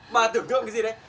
bà tưởng tượng cái gì đấy